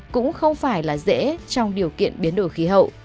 cũng không phải là dễ trong điều kiện biến đổi khí hậu